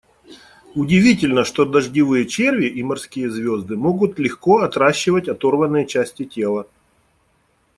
Удивительно, что дождевые черви и морские звезды могут легко отращивать оторванные части тела.